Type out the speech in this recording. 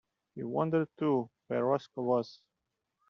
He wondered, too, where Roscoe was.